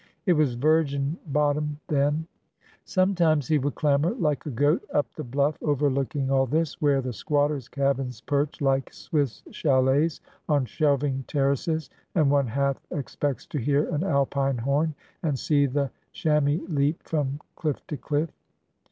It was virgin bottom then. Sometimes he would clamber like a goat up the bluff overlooking all this, where the squatters^ cabins perch like Swiss chalets on shelving terraces and one half ex pects to hear an Alpine horn and see the chamois leap from cliff to cliff.